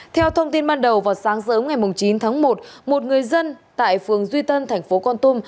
theo thông tin ban đầu vào sáng sớm ngày chín tháng một một người dân tại phường duy tân tp hcm